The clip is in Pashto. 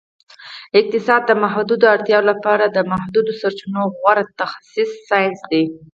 اقتصاد د محدودو اړتیاوو لپاره د محدودو سرچینو غوره تخصیص ساینس دی